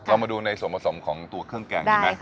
เรามาดูในส่วนผสมของตัวเครื่องแกงดีไหม